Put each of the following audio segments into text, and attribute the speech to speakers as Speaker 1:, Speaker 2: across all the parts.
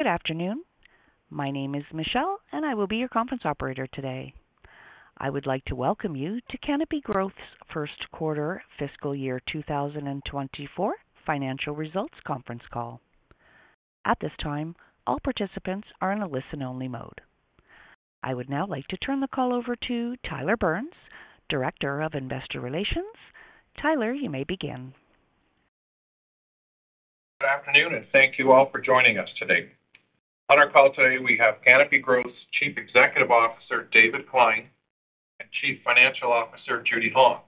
Speaker 1: Good afternoon. My name is Michelle, and I will be your conference operator today. I would like to welcome you to Canopy Growth's 1st Quarter Fiscal Year 2024 Financial Results Conference Call. At this time, all participants are in a listen-only mode. I would now like to turn the call over to Tyler Burns, Director of Investor Relations. Tyler, you may begin.
Speaker 2: Good afternoon, and thank you all for joining us today. On our call today, we have Canopy Growth's Chief Executive Officer, David Klein, and Chief Financial Officer, Judy Hong.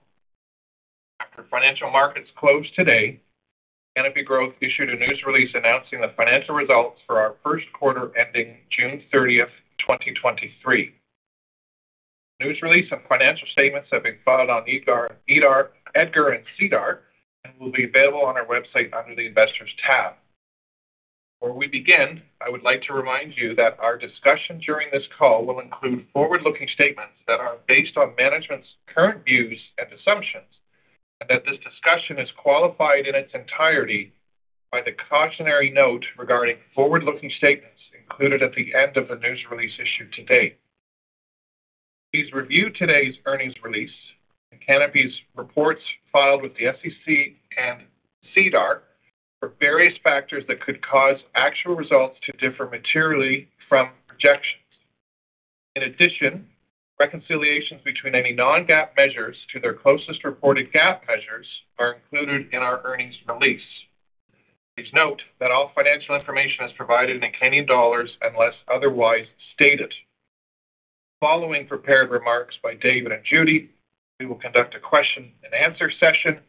Speaker 2: After financial markets closed today, Canopy Growth issued a news release announcing the financial results for our first quarter ending June 30th, 2023. News release and financial statements have been filed on EDGAR, SEDAR, EDGAR and SEDAR and will be available on our website under the Investors tab. Before we begin, I would like to remind you that our discussion during this call will include forward-looking statements that are based on management's current views and assumptions, and that this discussion is qualified in its entirety by the cautionary note regarding forward-looking statements included at the end of the news release issued today. Please review today's earnings release and Canopy Growth's reports filed with the SEC and SEDAR for various factors that could cause actual results to differ materially from projections. In addition, reconciliations between any non-GAAP measures to their closest reported GAAP measures are included in our earnings release. Please note that all financial information is provided in Canadian dollars unless otherwise stated. Following prepared remarks by David Klein and Judy Hong, we will conduct a question-and-answer session.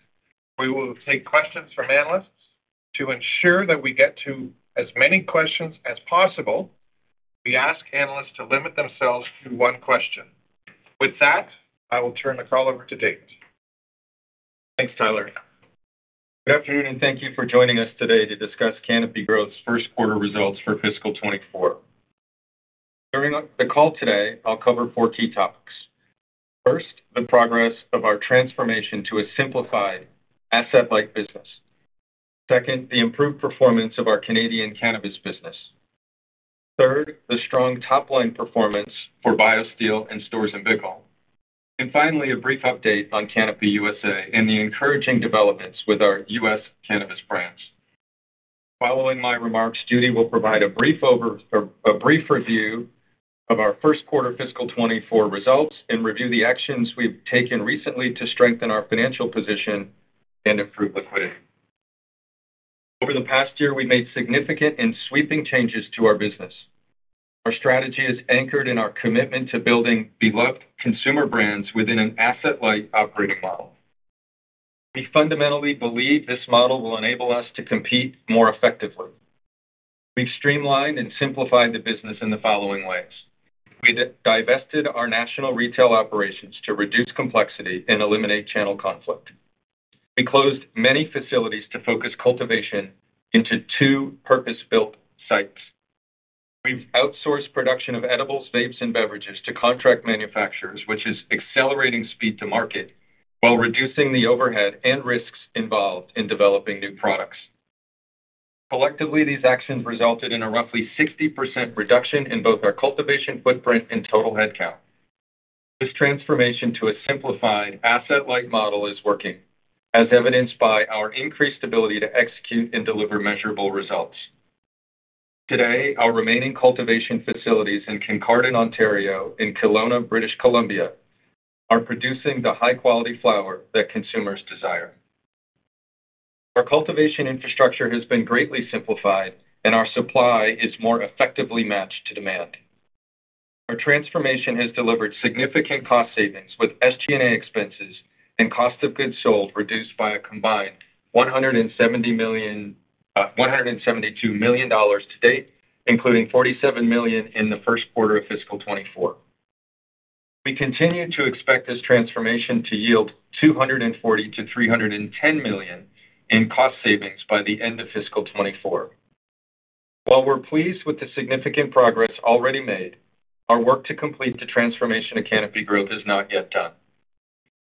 Speaker 2: We will take questions from analysts. To ensure that we get to as many questions as possible, we ask analysts to limit themselves to one question. With that, I will turn the call over to David Klein.
Speaker 3: Thanks, Tyler. Good afternoon, and thank you for joining us today to discuss Canopy Growth's First Quarter Results For Fiscal 2024. During the call today, I'll cover four key topics. First, the progress of our transformation to a simplified asset-light business. Second, the improved performance of our Canadian cannabis business. Third, the strong top-line performance for BioSteel and Storz & Bickel. Finally, a brief update on Canopy USA and the encouraging developments with our U.S. cannabis brands. Following my remarks, Judy will provide a brief review of our first quarter fiscal 2024 results and review the actions we've taken recently to strengthen our financial position and improve liquidity. Over the past year, we made significant and sweeping changes to our business. Our strategy is anchored in our commitment to building beloved consumer brands within an asset-light operating model. We fundamentally believe this model will enable us to compete more effectively. We've streamlined and simplified the business in the following ways: We divested our national retail operations to reduce complexity and eliminate channel conflict. We closed many facilities to focus cultivation into two purpose-built sites. We've outsourced production of edibles, vapes, and beverages to contract manufacturers, which is accelerating speed to market while reducing the overhead and risks involved in developing new products. Collectively, these actions resulted in a roughly 60% reduction in both our cultivation footprint and total headcount. This transformation to a simplified asset-light model is working, as evidenced by our increased ability to execute and deliver measurable results. Today, our remaining cultivation facilities in Kincardine, Ontario, and Kelowna, British Columbia, are producing the high-quality flower that consumers desire. Our cultivation infrastructure has been greatly simplified, and our supply is more effectively matched to demand. Our transformation has delivered significant cost savings, with SG&A expenses and cost of goods sold reduced by a combined 172 million dollars to date, including 47 million in the first quarter of fiscal 2024. We continue to expect this transformation to yield 240 million-310 million in cost savings by the end of fiscal 2024. While we're pleased with the significant progress already made, our work to complete the transformation of Canopy Growth is not yet done.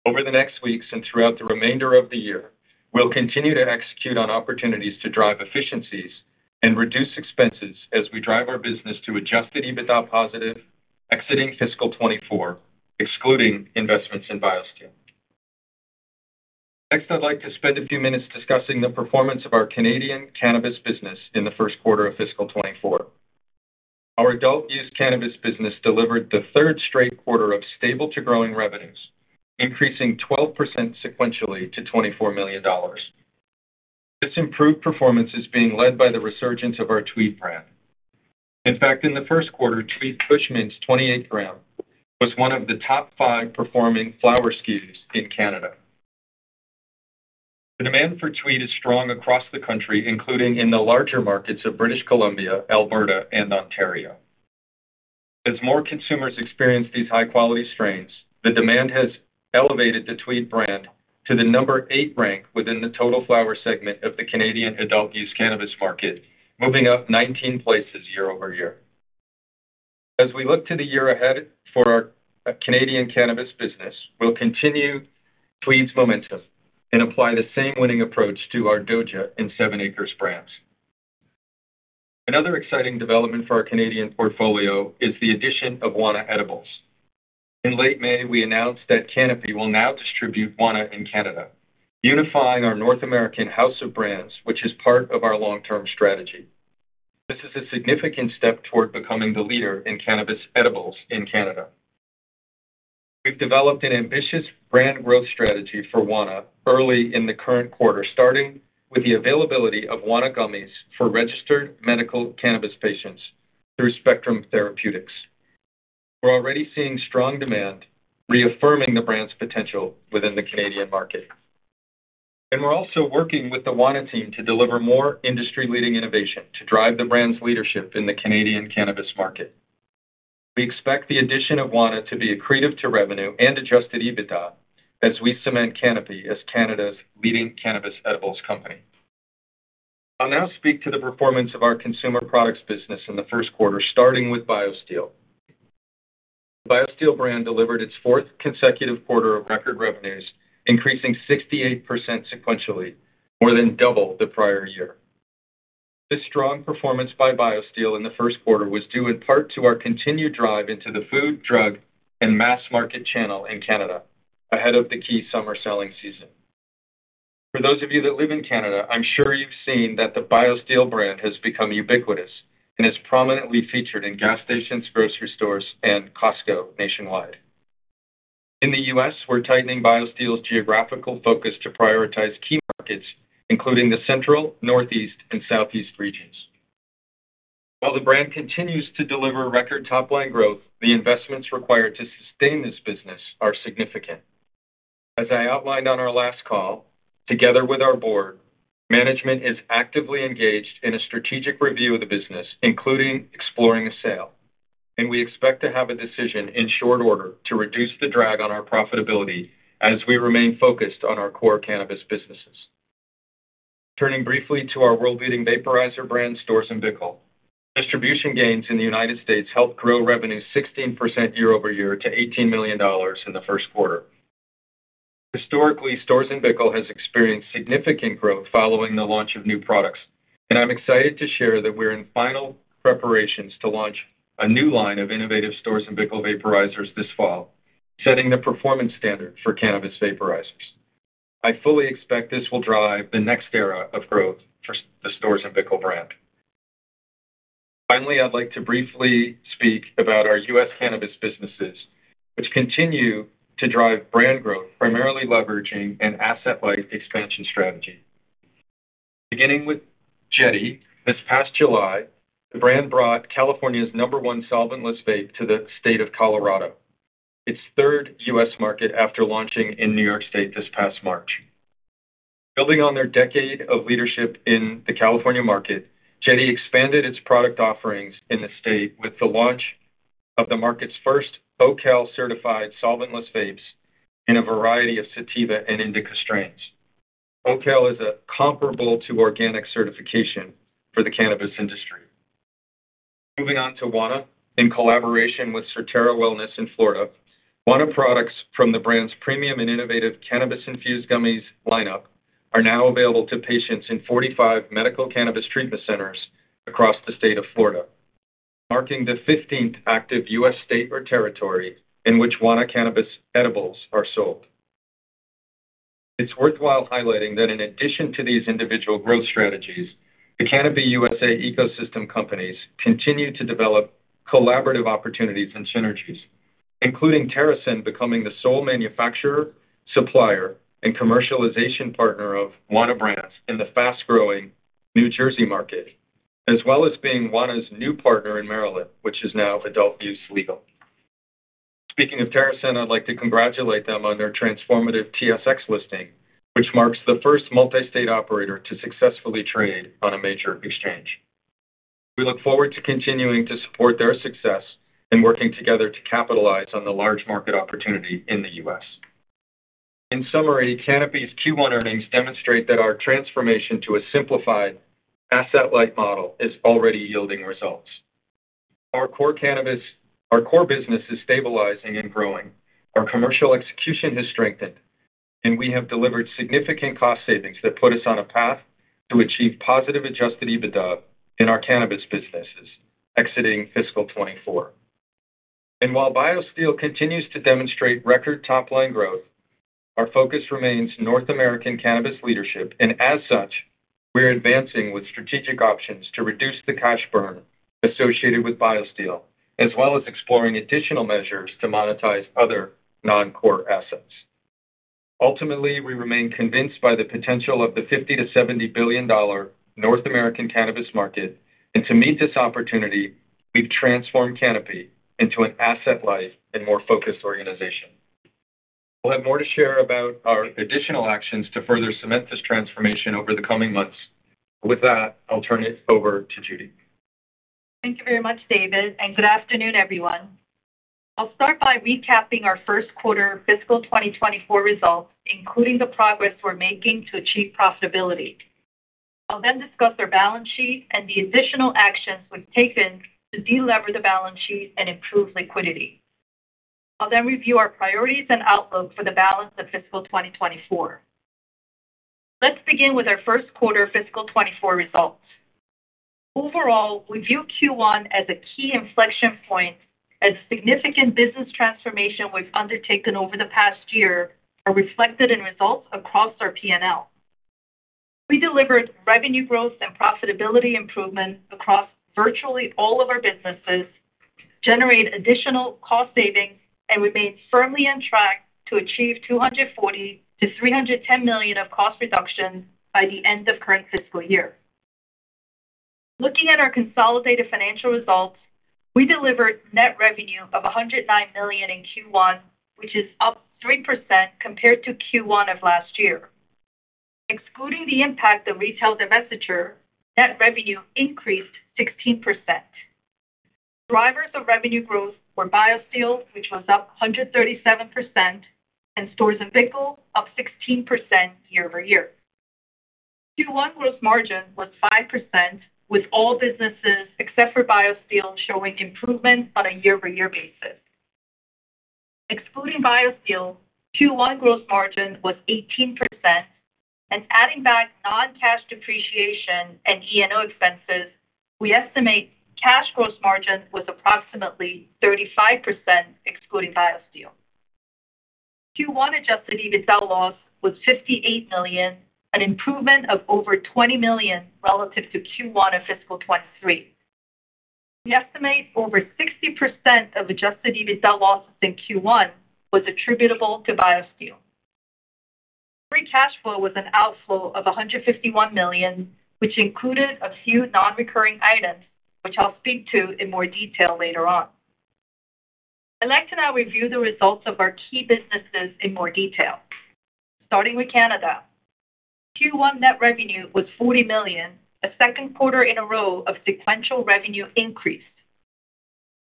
Speaker 3: Over the next weeks and throughout the remainder of the year, we'll continue to execute on opportunities to drive efficiencies and reduce expenses as we drive our business to Adjusted EBITDA positive, exiting fiscal 2024, excluding investments in BioSteel. Next, I'd like to spend a few minutes discussing the performance of our Canadian cannabis business in the first quarter of fiscal 2024. Our adult-use cannabis business delivered the third straight quarter of stable to growing revenues, increasing 12% sequentially to 24 million dollars. This improved performance is being led by the resurgence of our Tweed brand. In fact, in the first quarter, Tweed Kush Mints 28 g was one of the top five performing flower SKUs in Canada. The demand for Tweed is strong across the country, including in the larger markets of British Columbia, Alberta, and Ontario. As more consumers experience these high-quality strains, the demand has elevated the Tweed brand to the number eight rank within the total flower segment of the Canadian adult-use cannabis market, moving up 19 places year-over-year. As we look to the year ahead for our Canadian cannabis business, we'll continue Tweed's momentum and apply the same winning approach to our Doja and 7ACRES brands. Another exciting development for our Canadian portfolio is the addition of Wana edibles. In late May, we announced that Canopy will now distribute Wana in Canada, unifying our North American house of brands, which is part of our long-term strategy. This is a significant step toward becoming the leader in cannabis edibles in Canada. We've developed an ambitious brand growth strategy for Wana early in the current quarter, starting with the availability of Wana gummies for registered medical cannabis patients through Spectrum Therapeutics. We're already seeing strong demand, reaffirming the brand's potential within the Canadian market. We're also working with the Wana team to deliver more industry-leading innovation to drive the brand's leadership in the Canadian cannabis market. We expect the addition of Wana to be accretive to revenue and Adjusted EBITDA as we cement Canopy as Canada's leading cannabis edibles company. I'll now speak to the performance of our consumer products business in the first quarter, starting with BioSteel. BioSteel brand delivered its fourth consecutive quarter of record revenues, increasing 68% sequentially, more than double the prior year. This strong performance by BioSteel in the first quarter was due in part to our continued drive into the food, drug, and mass market channel in Canada, ahead of the key summer selling season. For those of you that live in Canada, I'm sure you've seen that the BioSteel brand has become ubiquitous and is prominently featured in gas stations, grocery stores, and Costco nationwide. In the U.S., we're tightening BioSteel's geographical focus to prioritize key markets, including the Central, Northeast, and Southeast regions. While the brand continues to deliver record top-line growth, the investments required to sustain this business are significant. As I outlined on our last call, together with our board, management is actively engaged in a strategic review of the business, including exploring a sale, and we expect to have a decision in short order to reduce the drag on our profitability as we remain focused on our core cannabis businesses. Turning briefly to our world-leading vaporizer brand, Storz & Bickel. Distribution gains in the U.S. helped grow revenue 16% year-over-year to $18 million in the first quarter. Historically, Storz & Bickel has experienced significant growth following the launch of new products, and I'm excited to share that we're in final preparations to launch a new line of innovative Storz & Bickel vaporizers this fall, setting the performance standard for cannabis vaporizers. I fully expect this will drive the next era of growth for the Storz & Bickel brand. Finally, I'd like to briefly speak about our U.S. cannabis businesses, which continue to drive brand growth, primarily leveraging an asset-light expansion strategy. Beginning with Jetty, this past July, the brand brought California's number one solventless vape to the state of Colorado, its 3rd U.S. market, after launching in New York State this past March. Building on their decade of leadership in the California market, Jetty expanded its product offerings in the state with the launch of the market's first OCal-certified solventless vapes in a variety of sativa and indica strains. OCal is a comparable-to-organic certification for the cannabis industry. Moving on to Wana, in collaboration with Surterra Wellness in Florida, Wana products from the brand's premium and innovative cannabis-infused gummies lineup are now available to patients in 45 medical cannabis treatment centers across the state of Florida, marking the 15th active U.S. state or territory in which Wana cannabis edibles are sold. It's worthwhile highlighting that in addition to these individual growth strategies, the Canopy USA ecosystem companies continue to develop collaborative opportunities and synergies, including TerrAscend becoming the sole manufacturer, supplier, and commercialization partner of Wana brands in the fast-growing New Jersey market, as well as being Wana's new partner in Maryland, which is now adult use legal. Speaking of TerrAscend, I'd like to congratulate them on their transformative TSX listing, which marks the first multi-state operator to successfully trade on a major exchange. We look forward to continuing to support their success and working together to capitalize on the large market opportunity in the U.S. In summary, Canopy's Q1 earnings demonstrate that our transformation to a simplified asset-light model is already yielding results. Our core business is stabilizing and growing, our commercial execution has strengthened, we have delivered significant cost savings that put us on a path to achieve positive Adjusted EBITDA in our cannabis businesses, exiting fiscal 2024. While BioSteel continues to demonstrate record top-line growth, our focus remains North American cannabis leadership, as such, we're advancing with strategic options to reduce the cash burn associated with BioSteel, as well as exploring additional measures to monetize other non-core assets. Ultimately, we remain convinced by the potential of the $50 billion-$70 billion North American cannabis market, to meet this opportunity, we've transformed Canopy into an asset-light and more focused organization. We'll have more to share about our additional actions to further cement this transformation over the coming months. With that, I'll turn it over to Judy.
Speaker 4: Thank you very much, David, good afternoon, everyone. I'll start by recapping our first quarter fiscal 2024 results, including the progress we're making to achieve profitability. I'll discuss our balance sheet and the additional actions we've taken to delever the balance sheet and improve liquidity. I'll review our priorities and outlook for the balance of fiscal 2024. Let's begin with our first quarter fiscal 2024 results. Overall, we view Q1 as a key inflection point, as significant business transformation we've undertaken over the past year are reflected in results across our P&L. We delivered revenue growth and profitability improvement across virtually all of our businesses, generate additional cost savings, and remain firmly on track to achieve 240 million-310 million of cost reductions by the end of current fiscal year. Looking at our consolidated financial results, we delivered net revenue of 109 million in Q1, which is up 3% compared to Q1 of last year. Excluding the impact of retail divestiture, net revenue increased 16%. Drivers of revenue growth were BioSteel, which was up 137%, and Storz & Bickel, up 16% year-over-year. Q1 gross margin was 5%, with all businesses except for BioSteel showing improvement on a year-over-year basis. Excluding BioSteel, Q1 gross margin was 18% and adding back non-cash depreciation and E&O expenses, we estimate cash gross margin was approximately 35%, excluding BioSteel. Q1 Adjusted EBITDA loss was 58 million, an improvement of over 20 million relative to Q1 of fiscal 2023. We estimate over 60% of Adjusted EBITDA losses in Q1 was attributable to BioSteel. Free cash flow was an outflow of 151 million, which included a few non-recurring items, which I'll speak to in more detail later on. I'd like to now review the results of our key businesses in more detail. Starting with Canada. Q1 net revenue was 40 million, a second quarter in a row of sequential revenue increase.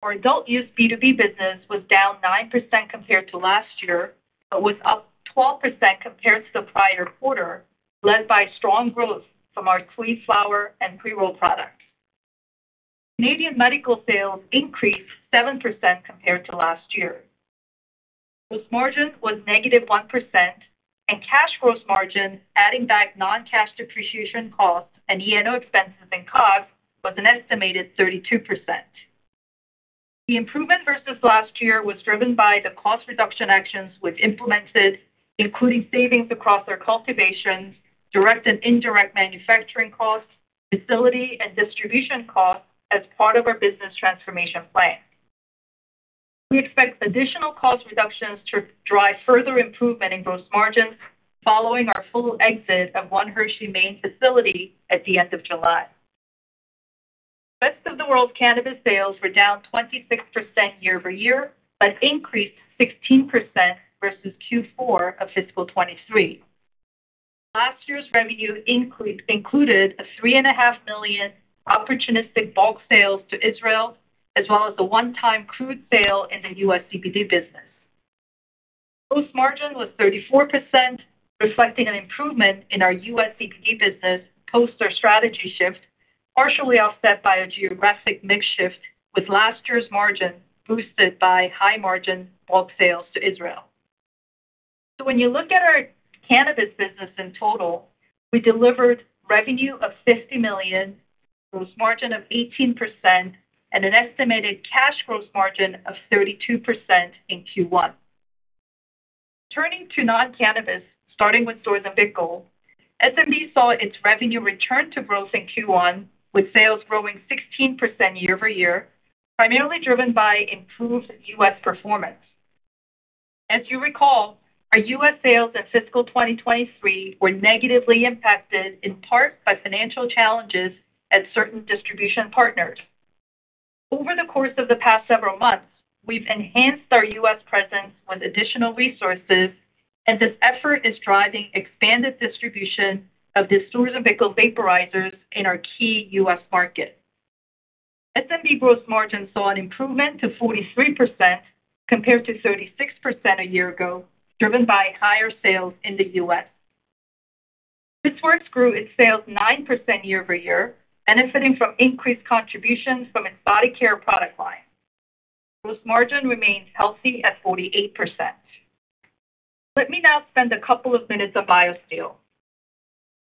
Speaker 4: Our adult use B2B business was down 9% compared to last year, but was up 12% compared to the prior quarter, led by strong growth from our Tweed, flower, and pre-roll products. Canadian medical sales increased 7% compared to last year. Gross margin was negative 1% and cash gross margin, adding back non-cash depreciation costs and E&O expenses and costs, was an estimated 32%. The improvement versus last year was driven by the cost reduction actions we've implemented, including savings across our cultivations, direct and indirect manufacturing costs, facility and distribution costs as part of our business transformation plan. We expect additional cost reductions to drive further improvement in gross margins following our full exit of one Hershey Drive facility at the end of July. Rest of the world cannabis sales were down 26% year-over-year. Increased 16% versus Q4 of fiscal 2023. Last year's revenue included a 3.5 million opportunistic bulk sales to Israel, as well as a one-time crude sale in the U.S. CBD business. Gross margin was 34%, reflecting an improvement in our U.S. CBD business post our strategy shift, partially offset by a geographic mix shift, with last year's margin boosted by high-margin bulk sales to Israel. When you look at our cannabis business in total, we delivered revenue of $50 million, gross margin of 18%, and an estimated cash gross margin of 32% in Q1. Turning to non-cannabis, starting with Storz & Bickel, S&B saw its revenue return to growth in Q1, with sales growing 16% year-over-year, primarily driven by improved U.S. performance. As you recall, our U.S. sales in fiscal 2023 were negatively impacted in part by financial challenges at certain distribution partners. Over the course of the past several months, we've enhanced our U.S. presence with additional resources, and this effort is driving expanded distribution of the Storz & Bickel vaporizers in our key U.S. markets. S&B gross margin saw an improvement to 43% compared to 36% a year ago, driven by higher sales in the U.S. This Works grew its sales 9% year-over-year, benefiting from increased contributions from its body care product line. Gross margin remains healthy at 48%. Let me now spend a couple of minutes on BioSteel.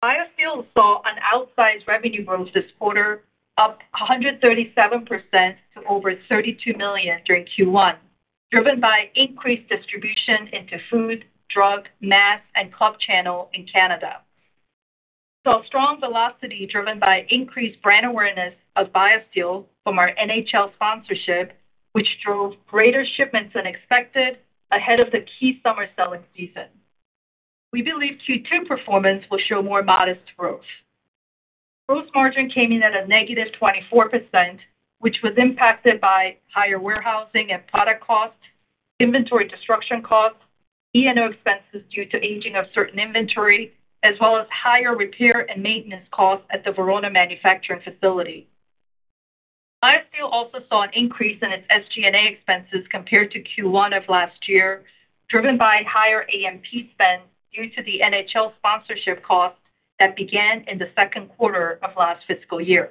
Speaker 4: BioSteel saw an outsized revenue growth this quarter, up 137% to over $32 million during Q1, driven by increased distribution into food, drug, mass, and club channel in Canada. Saw strong velocity driven by increased brand awareness of BioSteel from our NHL sponsorship, which drove greater shipments than expected ahead of the key summer selling season. We believe Q2 performance will show more modest growth. Gross margin came in at -24%, which was impacted by higher warehousing and product costs, inventory destruction costs, E&O expenses due to aging of certain inventory, as well as higher repair and maintenance costs at the Verona manufacturing facility. BioSteel also saw an increase in its SG&A expenses compared to Q1 of last year, driven by higher AMP spend due to the NHL sponsorship costs that began in the second quarter of last fiscal year.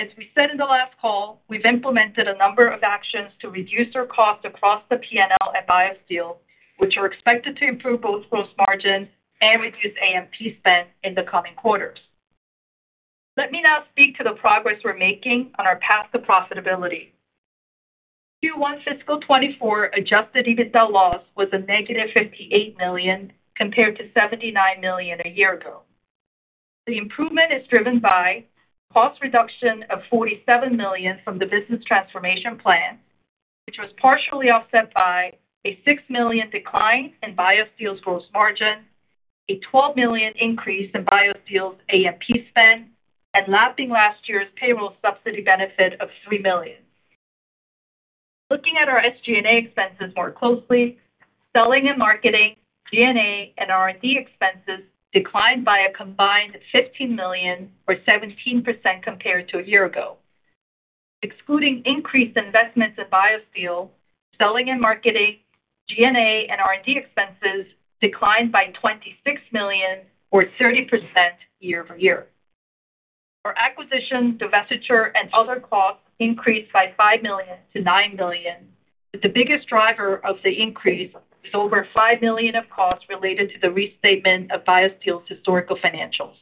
Speaker 4: As we said in the last call, we've implemented a number of actions to reduce our costs across the PNL at BioSteel, which are expected to improve both gross margins and reduce AMP spend in the coming quarters. Let me now speak to the progress we're making on our path to profitability. Q1 fiscal 2024 Adjusted EBITDA loss was a negative 58 million, compared to 79 million a year ago. The improvement is driven by cost reduction of 47 million from the business transformation plan, which was partially offset by a 6 million decline in BioSteel gross margin, a 12 million increase in BioSteel AMP spend, and lapping last year's payroll subsidy benefit of 3 million. Looking at our SG&A expenses more closely, selling and marketing, G&A, and R&D expenses declined by a combined 15 million or 17% compared to a year ago. Excluding increased investments in BioSteel, selling and marketing, G&A, and R&D expenses declined by 26 million or 30% year-over-year. Our acquisition, divestiture, and other costs increased by 5 million to 9 million, but the biggest driver of the increase was over 5 million of costs related to the restatement of BioSteel's historical financials.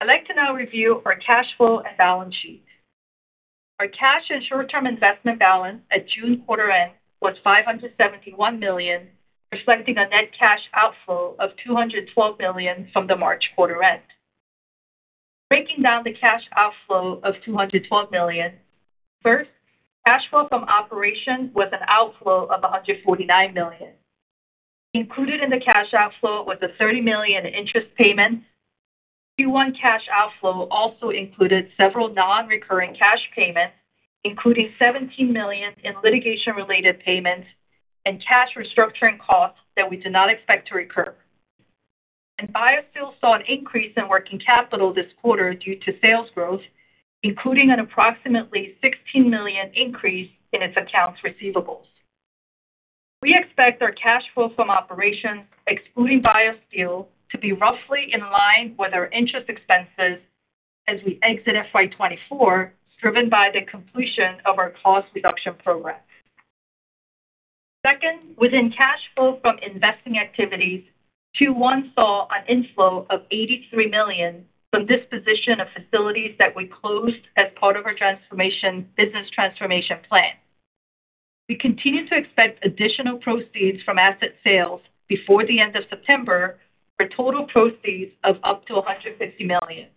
Speaker 4: I'd like to now review our cash flow and balance sheet. Our cash and short-term investment balance at June quarter-end was $571 million, reflecting a net cash outflow of $212 million from the March quarter-end. Breaking down the cash outflow of $212 million. First, cash flow from operations was an outflow of $149 million. Included in the cash outflow was a $30 million interest payment. Q1 cash outflow also included several non-recurring cash payments, including $17 million in litigation-related payments and cash restructuring costs that we do not expect to recur. BioSteel saw an increase in working capital this quarter due to sales growth, including an approximately $16 million increase in its accounts receivables. We expect our cash flow from operations, excluding BioSteel, to be roughly in line with our interest expenses as we exit FY 2024, driven by the completion of our cost reduction program. Second, within cash flow from investing activities, Q1 saw an inflow of $83 million from disposition of facilities that we closed as part of our transformation, business transformation plan. We continue to expect additional proceeds from asset sales before the end of September for total proceeds of up to $150 million.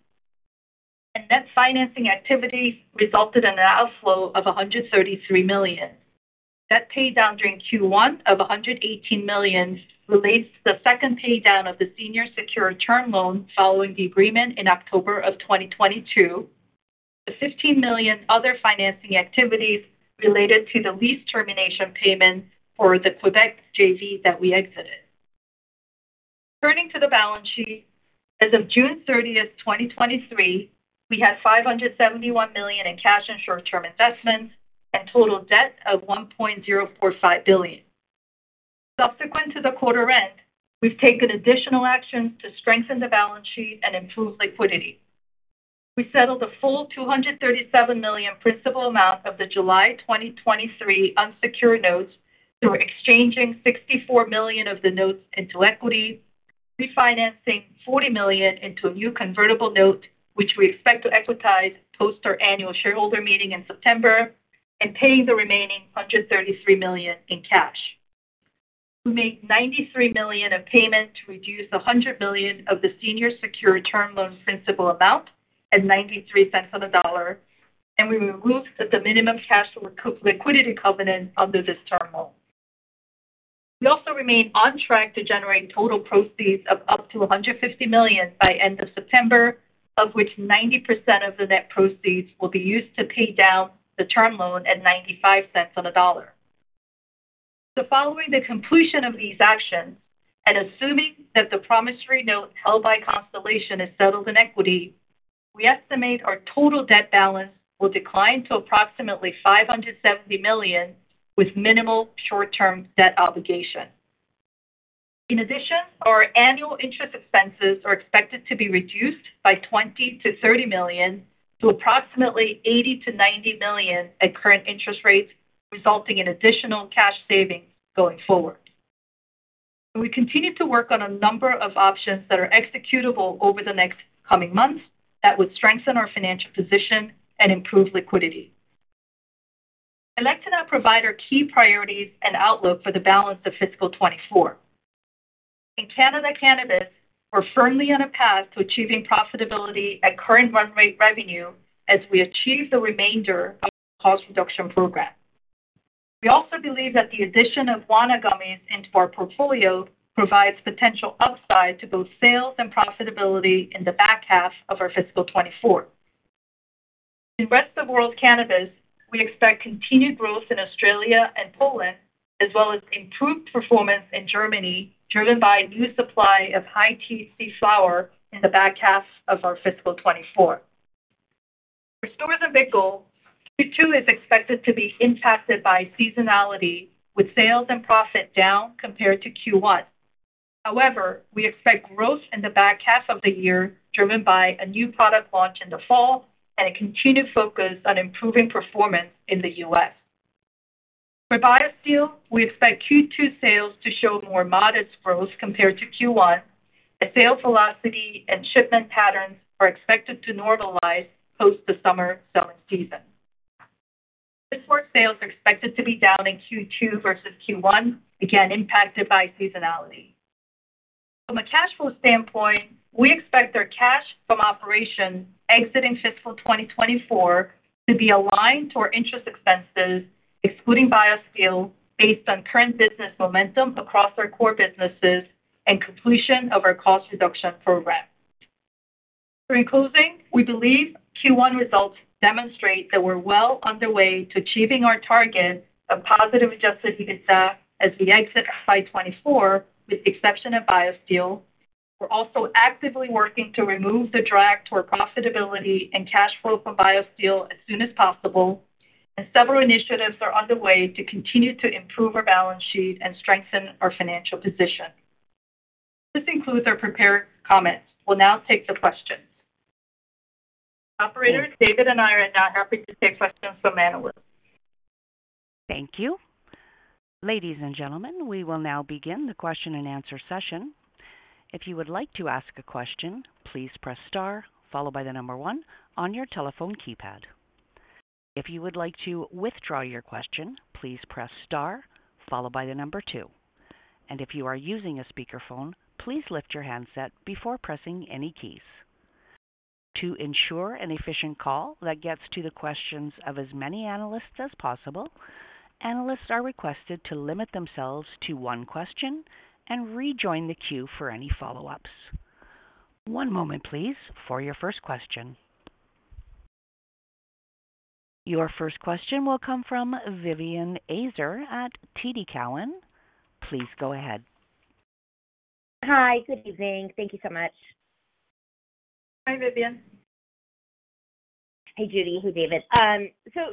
Speaker 4: Net financing activity resulted in an outflow of $133 million. Net pay down during Q1 of $118 million relates to the second paydown of the senior secure term loan following the agreement in October of 2022. The $15 million other financing activities related to the lease termination payment for the Quebec JV that we exited. Turning to the balance sheet. As of June 30th, 2023, we had $571 million in cash and short-term investments and total debt of $1.045 billion. Subsequent to the quarter end, we've taken additional actions to strengthen the balance sheet and improve liquidity. We settled the full $237 million principal amount of the July 2023 unsecured notes through exchanging $64 million of the notes into equity, refinancing $40 million into a new convertible note, which we expect to equitize post our annual shareholder meeting in September, and paying the remaining $133 million in cash. We made $93 million of payment to reduce the $100 million of the senior secure term loan principal amount at $0.93 on the dollar. We removed the minimum cash or liquidity covenant under this term loan. We also remain on track to generate total proceeds of up to $150 million by end of September, of which 90% of the net proceeds will be used to pay down the term loan at $0.95 on the dollar. Following the completion of these actions, and assuming that the promissory note held by Constellation is settled in equity, we estimate our total debt balance will decline to approximately $570 million, with minimal short-term debt obligation. In addition, our annual interest expenses are expected to be reduced by $20 million-$30 million to approximately $80 million-$90 million at current interest rates, resulting in additional cash savings going forward. We continue to work on a number of options that are executable over the next coming months that would strengthen our financial position and improve liquidity. I'd like to now provide our key priorities and outlook for the balance of fiscal 2024. In Canada Cannabis, we're firmly on a path to achieving profitability at current run rate revenue as we achieve the remainder of our cost reduction program. We also believe that the addition of Wana gummies into our portfolio provides potential upside to both sales and profitability in the back half of our fiscal 2024. In rest of the world cannabis, we expect continued growth in Australia and Poland, as well as improved performance in Germany, driven by a new supply of high THC flower in the back half of our fiscal 2024. For Storz & Bickel, Q2 is expected to be impacted by seasonality, with sales and profit down compared to Q1. However, we expect growth in the back half of the year, driven by a new product launch in the fall and a continued focus on improving performance in the U.S. For BioSteel, we expect Q2 sales to show more modest growth compared to Q1, as sales velocity and shipment patterns are expected to normalize post the summer selling season. Goodwork sales are expected to be down in Q2 versus Q1, again impacted by seasonality. From a cash flow standpoint, we expect our cash from operations exiting fiscal 2024 to be aligned to our interest expenses, excluding BioSteel, based on current business momentum across our core businesses and completion of our cost reduction program. In closing, we believe Q1 results demonstrate that we're well underway to achieving our target of positive Adjusted EBITDA as we exit FY 2024, with the exception of BioSteel. We're also actively working to remove the drag to our profitability and cash flow from BioSteel as soon as possible. Several initiatives are underway to continue to improve our balance sheet and strengthen our financial position. This concludes our prepared comments. We'll now take the questions. Operator, David and I are now happy to take questions from analysts.
Speaker 1: Thank you. Ladies and gentlemen, we will now begin the question-and-answer session. If you would like to ask a question, please press star followed by the number one on your telephone keypad. If you would like to withdraw your question, please press star followed by the number two. If you are using a speakerphone, please lift your handset before pressing any keys. To ensure an efficient call that gets to the questions of as many analysts as possible, analysts are requested to limit themselves to one question and rejoin the queue for any follow-ups. One moment please, for your first question. Your first question will come from Vivien Azer at TD Cowen. Please go ahead.
Speaker 5: Hi, good evening. Thank you so much.
Speaker 4: Hi, Vivien.
Speaker 5: Hey, Judy. Hey, David.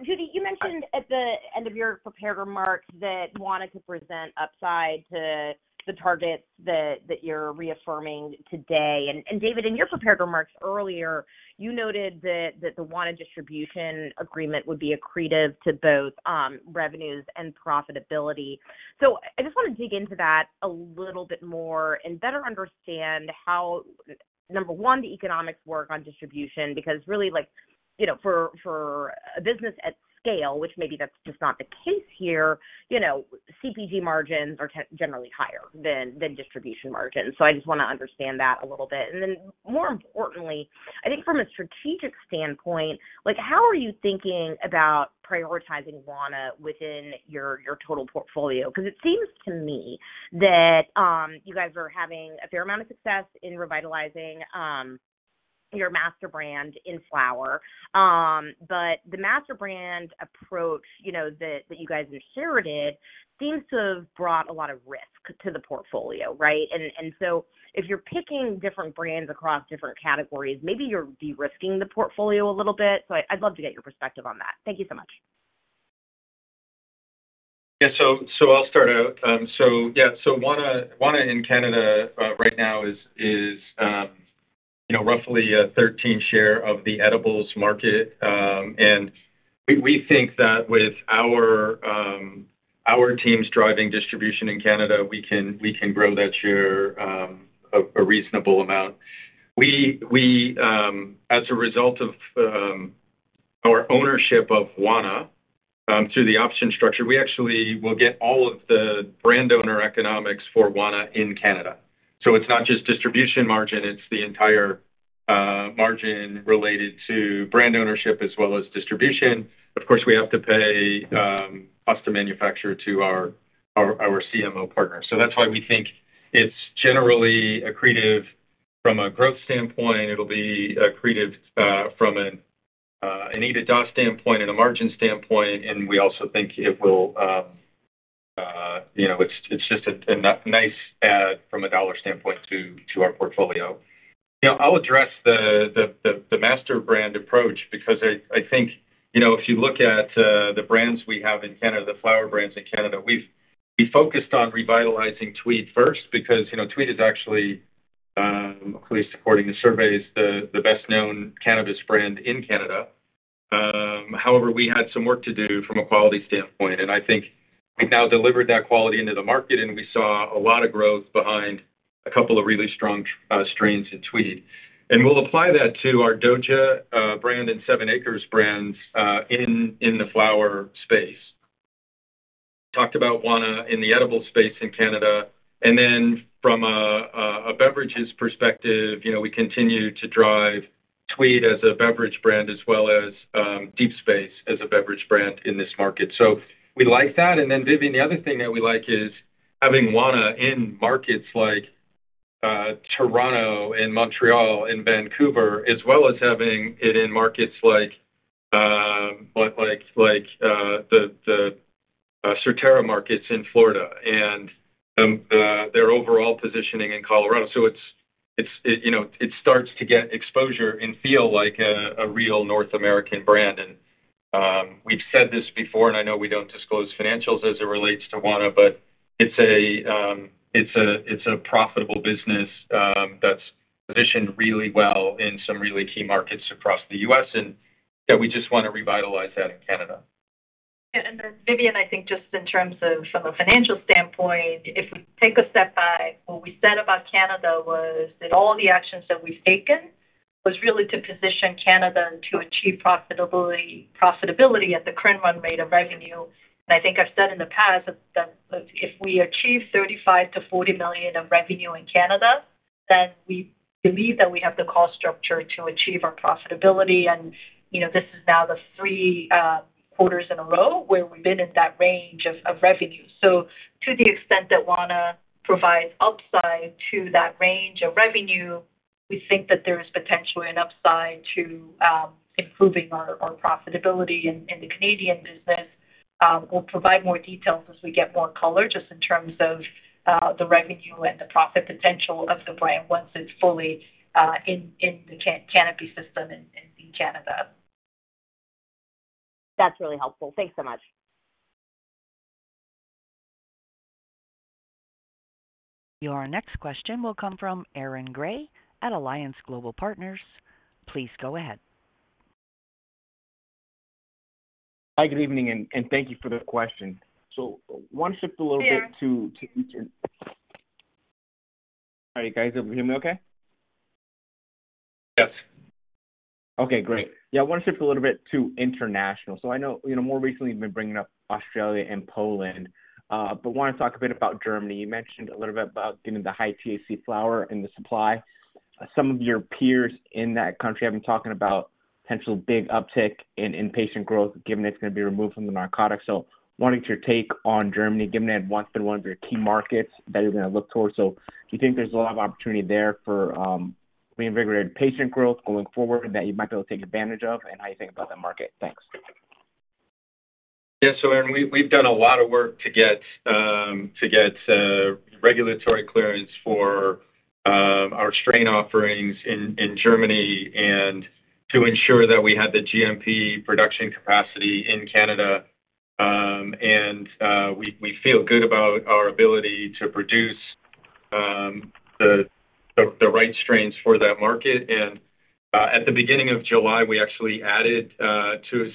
Speaker 5: Judy, you mentioned at the end of your prepared remarks that you wanted to present upside to the targets that, that you're reaffirming today. David, in your prepared remarks earlier, you noted that, that the Wana distribution agreement would be accretive to both revenues and profitability. I just want to dig into that a little bit more and better understand how, number one, the economics work on distribution, because really like, you know, for, for a business at scale, which maybe that's just not the case here, you know, CPG margins are generally higher than, than distribution margins. I just want to understand that a little bit. Then more importantly, I think from a strategic standpoint, like, how are you thinking about prioritizing Wana within your, your total portfolio? Because it seems to me that you guys are having a fair amount of success in revitalizing your master brand in flower. But the master brand approach, you know, that you guys inherited seems to have brought a lot of risk to the portfolio, right? If you're picking different brands across different categories, maybe you're de-risking the portfolio a little bit. I'd love to get your perspective on that. Thank you so much.
Speaker 3: Yeah. So I'll start out. Yeah, so Wana, Wana in Canada right now is, is, you know, roughly a 13 share of the edibles market. We, we think that with our teams driving distribution in Canada, we can, we can grow that share a reasonable amount. We, we, as a result of our ownership of Wana through the option structure, we actually will get all of the brand owner economics for Wana in Canada. It's not just distribution margin, it's the entire margin related to brand ownership as well as distribution. Of course, we have to pay cost to manufacture to our, our, our CMO partner. That's why we think it's generally accretive from a growth standpoint. It'll be accretive from an EBITDA standpoint and a margin standpoint. We also think it will, you know, it's just a nice add from a dollar standpoint to our portfolio. You know, I'll address the master brand approach because I think, you know, if you look at the brands we have in Canada, the flower brands in Canada, we focused on revitalizing Tweed first because, you know, Tweed is actually, at least according to surveys, the best-known cannabis brand in Canada. However, we had some work to do from a quality standpoint, and I think we've now delivered that quality into the market, and we saw a lot of growth behind a couple of really strong strains in Tweed. We'll apply that to our Doja brand and 7ACRES brands in the flower space. Talked about Wana in the edibles space in Canada, from a beverages perspective, you know, we continue to drive Tweed as a beverage brand as well as, Deep Space as a beverage brand in this market. We like that. Vivien, the other thing that we like is having Wana in markets like Toronto and Montreal and Vancouver, as well as having it in markets like Surterra markets in Florida and their overall positioning in Colorado. It's, it's, you know, it starts to get exposure and feel like a real North American brand. We've said this before, and I know we don't disclose financials as it relates to Wana, but it's a, it's a, it's a profitable business that's positioned really well in some really key markets across the U.S., and that we just want to revitalize that in Canada.
Speaker 4: Yeah, Vivien, I think just in terms of from a financial standpoint, if we take a step back, what we said about Canada was that all the actions that we've taken was really to position Canada to achieve profitability, profitability at the current run rate of revenue. I think I've said in the past that if we achieve 35 million-40 million of revenue in Canada, we believe that we have the cost structure to achieve our profitability. You know, this is now the three quarters in a row where we've been in that range of revenue. To the extent that Wana provides upside to that range of revenue, we think that there is potentially an upside to improving our profitability in the Canadian business. We'll provide more details as we get more color, just in terms of the revenue and the profit potential of the brand once it's fully in, in the Canopy system in, in Canada.
Speaker 5: That's really helpful. Thanks so much.
Speaker 1: Your next question will come from Aaron Grey at Alliance Global Partners. Please go ahead.
Speaker 6: Hi, good evening, and thank you for the question. Want to shift a little bit to-
Speaker 3: Hi, Aaron.
Speaker 6: Are you guys able to hear me okay?
Speaker 3: Yes.
Speaker 6: Okay, great. Yeah. I want to shift a little bit to international. I know, you know, more recently, you've been bringing up Australia and Poland, but want to talk a bit about Germany. You mentioned a little bit about given the high THC flower and the supply. Some of your peers in that country have been talking about potential big uptick in in-patient growth, given it's going to be removed from the narcotics. Wanting your take on Germany, given that it once been one of your key markets that you're going to look towards. Do you think there's a lot of opportunity there for reinvigorated patient growth going forward that you might be able to take advantage of, and how you think about that market? Thanks.
Speaker 3: Yeah. We've done a lot of work to get regulatory clearance for our strain offerings in Germany and to ensure that we have the GMP production capacity in Canada. And we feel good about our ability to produce the right strains for that market. At the beginning of July, we actually added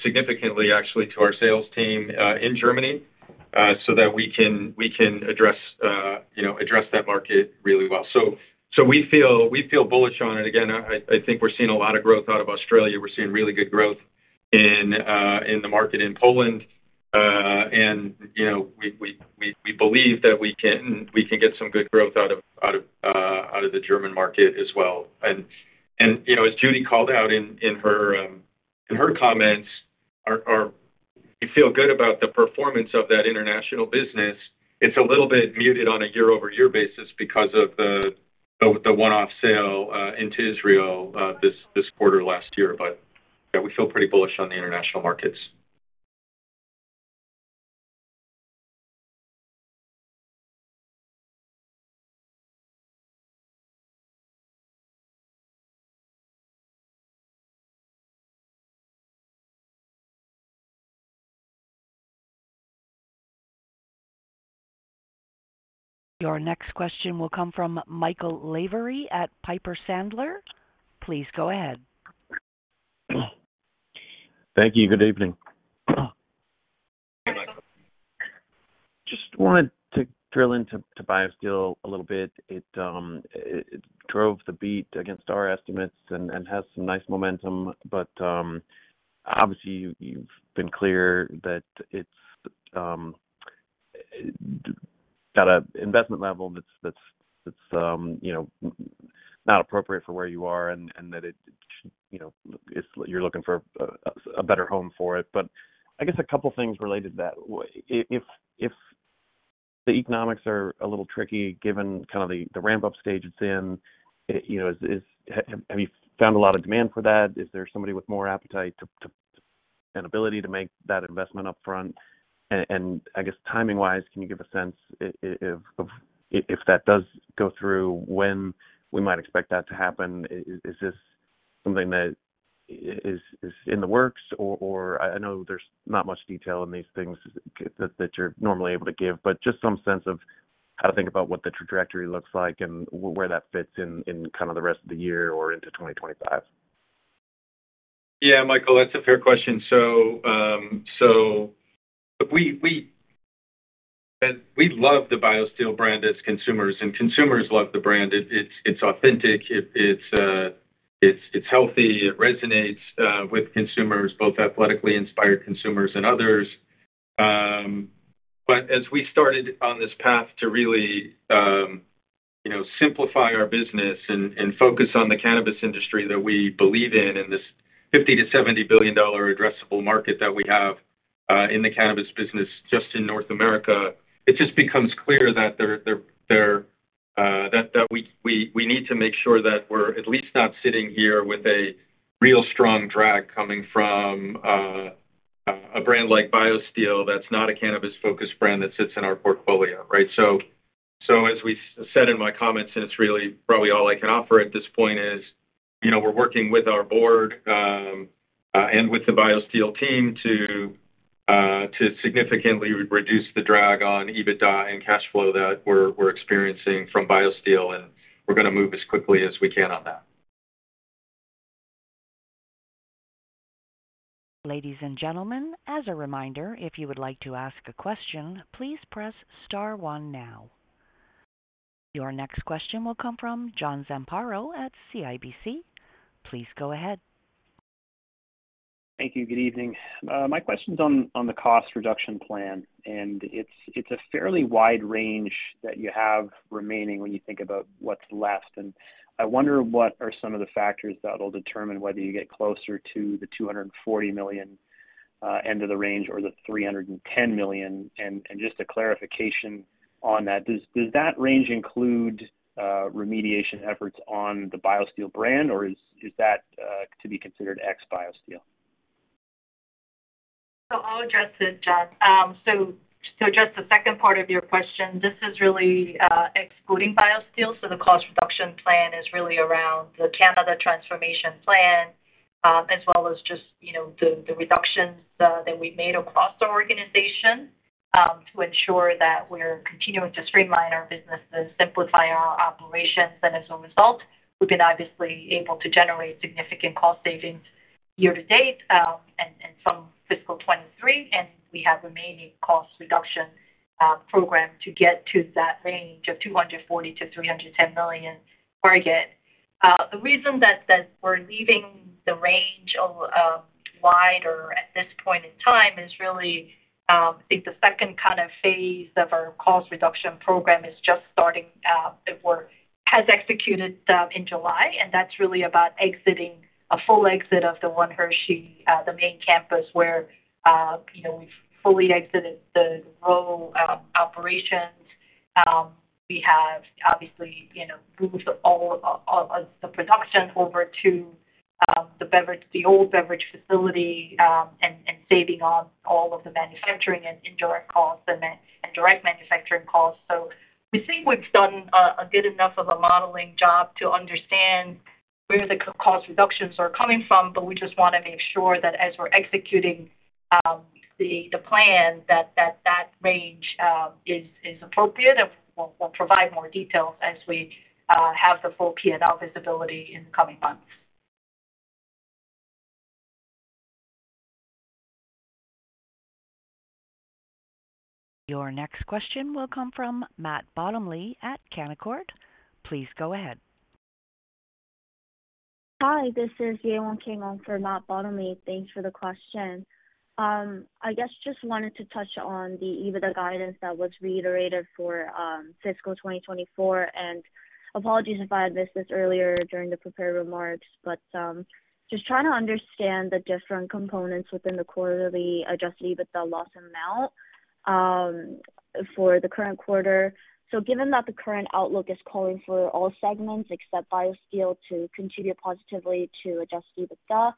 Speaker 3: significantly, actually, to our sales team in Germany so that we can address, you know, that market really well. We feel bullish on it. Again, I think we're seeing a lot of growth out of Australia. We're seeing really good growth in the market in Poland. you know, we, we, we, we believe that we can, we can get some good growth out of, out of, out of the German market as well. you know, as Judy called out in, in her, in her comments, We feel good about the performance of that international business. It's a little bit muted on a year-over-year basis because of the, of the one-off sale, into Israel, this, this quarter last year. yeah, we feel pretty bullish on the international markets.
Speaker 1: Your next question will come from Michael Lavery at Piper Sandler. Please go ahead.
Speaker 7: Thank you. Good evening.
Speaker 3: Hi, Michael.
Speaker 7: Just wanted to drill into BioSteel a little bit. It drove the beat against our estimates and has some nice momentum. Obviously, you've been clear that it's at an investment level that's, that's, that's, you know, not appropriate for where you are, and that it, you know, you're looking for a better home for it. I guess a couple things related to that. If, if, if the economics are a little tricky, given kind of the, the ramp-up stage it's in, you know, have you found a lot of demand for that? Is there somebody with more appetite to and ability to make that investment upfront? I guess timing-wise, can you give a sense if, if that does go through, when we might expect that to happen? Is this something that is in the works or I know there's not much detail in these things that, that you're normally able to give, but just some sense of how to think about what the trajectory looks like and where that fits in, in kind of the rest of the year or into 2025.
Speaker 3: Yeah, Michael, that's a fair question. We, we, we love the BioSteel brand as consumers, and consumers love the brand. It's, it's authentic, it, it's, it's healthy. It resonates with consumers, both athletically inspired consumers and others. As we started on this path to really, you know, simplify our business and, and focus on the cannabis industry that we believe in, in this $50 billion-$70 billion addressable market that we have,... in the cannabis business just in North America, it just becomes clear that there, there, there that we, we, we need to make sure that we're at least not sitting here with a real strong drag coming from a brand like BioSteel. That's not a cannabis-focused brand that sits in our portfolio, right? so as we said in my comments, and it's really probably all I can offer at this point is, you know, we're working with our board, and with the BioSteel team to significantly reduce the drag on EBITDA and cash flow that we're experiencing from BioSteel, and we're going to move as quickly as we can on that.
Speaker 1: Ladies and gentlemen, as a reminder, if you would like to ask a question, please press star one now. Your next question will come from John Zamparo at CIBC. Please go ahead.
Speaker 8: Thank you. Good evening. My question's on, on the cost reduction plan, and it's, it's a fairly wide range that you have remaining when you think about what's left. I wonder, what are some of the factors that will determine whether you get closer to the $240 million end of the range or the $310 million? Just a clarification on that. Does, does that range include remediation efforts on the BioSteel brand, or is, is that to be considered ex BioSteel?
Speaker 4: I'll address this, John. Just the second part of your question, this is really excluding BioSteel. The cost reduction plan is really around the Canada transformation plan, as well as just, you know, the, the reductions that we've made across the organization to ensure that we're continuing to streamline our businesses, simplify our operations, and as a result, we've been obviously able to generate significant cost savings year to date, and, and from fiscal 2023. We have remaining cost reduction program to get to that range of 240 million-310 million target. The reason that, that we're leaving the range of wider at this point in time is really, I think the second kind of phase of our cost reduction program is just starting out. It has executed in July, and that's really about exiting a full exit of the One Hershey, the main campus where, you know, we've fully exited the role of operations. We have obviously, you know, moved all of the production over to the beverage, the old beverage facility, and saving on all of the manufacturing and indirect costs and direct manufacturing costs. We think we've done a good enough of a modeling job to understand where the cost reductions are coming from, but we just want to make sure that as we're executing the plan, that, that, that range is appropriate. We'll provide more details as we have the full P&L visibility in the coming months.
Speaker 1: Your next question will come from Matt Bottomley at Canaccord. Please go ahead.
Speaker 9: Hi, this is Yewon Kang on for Matt Bottomley. Thanks for the question. I guess just wanted to touch on the EBITDA guidance that was reiterated for fiscal 2024. Apologies if I had missed this earlier during the prepared remarks, just trying to understand the different components within the quarterly Adjusted EBITDA loss amount for the current quarter. Given that the current outlook is calling for all segments except BioSteel to contribute positively to Adjusted EBITDA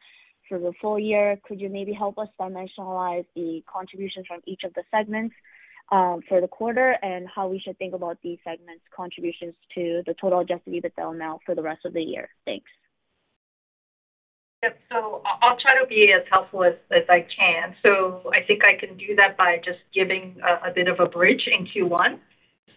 Speaker 9: for the full year, could you maybe help us dimensionalize the contribution from each of the segments for the quarter? How we should think about these segments' contributions to the total Adjusted EBITDA amount for the rest of the year? Thanks.
Speaker 4: Yep. I'll try to be as helpful as, as I can. I think I can do that by just giving a, a bit of a bridge in Q1.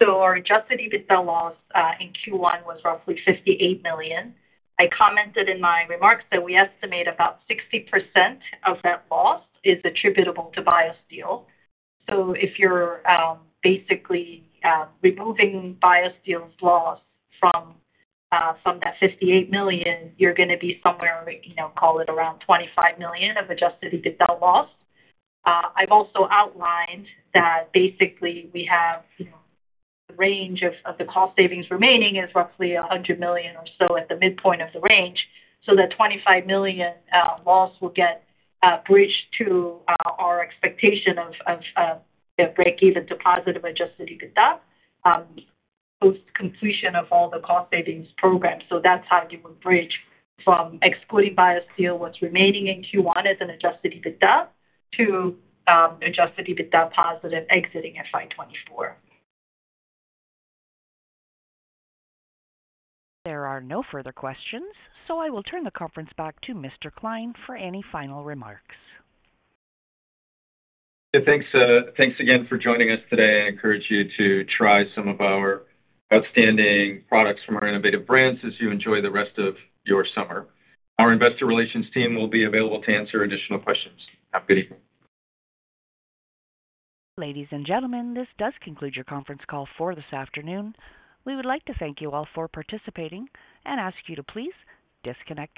Speaker 4: Our Adjusted EBITDA loss in Q1 was roughly 58 million. I commented in my remarks that we estimate about 60% of that loss is attributable to BioSteel. If you're basically removing BioSteel's loss from that 58 million, you're gonna be somewhere, you know, call it around 25 million of Adjusted EBITDA loss. I've also outlined that basically we have, you know, the range of, of the cost savings remaining is roughly 100 million or so at the midpoint of the range. That 25 million loss will get bridged to our expectation of the break even to positive Adjusted EBITDA post completion of all the cost savings programs. That's how you would bridge from excluding BioSteel, what's remaining in Q1 as an Adjusted EBITDA to Adjusted EBITDA positive exiting FY 2024.
Speaker 1: There are no further questions, so I will turn the conference back to Mr. Klein for any final remarks.
Speaker 3: Thanks. Thanks again for joining us today. I encourage you to try some of our outstanding products from our innovative brands as you enjoy the rest of your summer. Our investor relations team will be available to answer additional questions. Have a good evening.
Speaker 1: Ladies and gentlemen, this does conclude your conference call for this afternoon. We would like to thank you all for participating and ask you to please disconnect your lines.